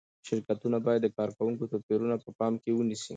شرکتونه باید د کارکوونکو توپیرونه په پام کې ونیسي.